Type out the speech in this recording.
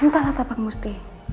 entahlah tapak musti